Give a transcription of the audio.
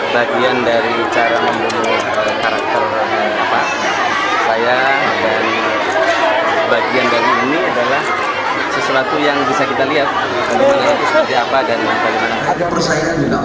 bagian dari ini adalah sesuatu yang bisa kita lihat